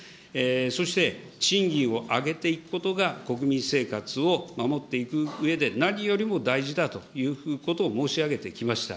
そして賃金を上げていくことが国民生活を守っていくうえで、何よりも大事だということを申し上げてきました。